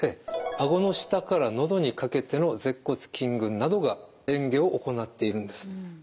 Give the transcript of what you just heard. あごの下からのどにかけての舌骨筋群などが嚥下を行っているんです。